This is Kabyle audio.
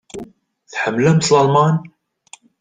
Tḥemmlemt Lalman?